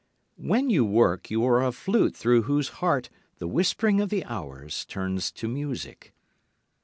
When you work you are a flute through whose heart the whispering of the hours turns to music.